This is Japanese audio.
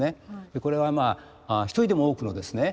でこれは一人でも多くのですね